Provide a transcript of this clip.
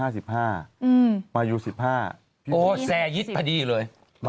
แซ่หยิดพอดีเลย